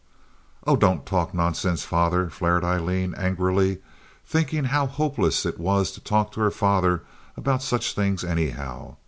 "Oh, don't talk nonsense, father," flared Aileen, angrily, thinking how hopeless it was to talk to her father about such things anyhow.